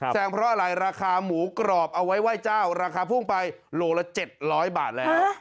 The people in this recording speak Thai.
แซงเพราะอะไรราคาหมูกรอบเอาไว้ไหว้เจ้าราคาพุ่งไปโลละ๗๐๐บาทแล้ว